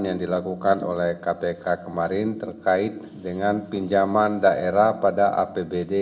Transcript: yang dilakukan oleh kpk kemarin terkait dengan pinjaman daerah pada apbd